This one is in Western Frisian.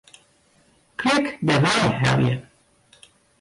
Klik Dêrwei helje.